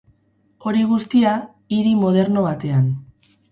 Hori guztia, hiri moderno batean.